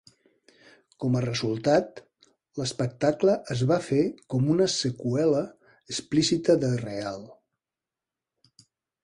Com a resultat, l'espectacle es va fer com una seqüela explícita de "real".